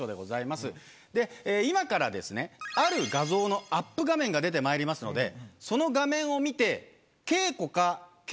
今からですねある画像のアップ画面が出てまいりますのでその画面を見て。